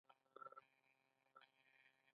د هوښیاري بې حرکتۍ په باب خبرې اورو.